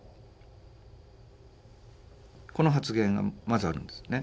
この発言がまずあるんですね。